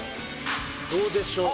どうでしょうか？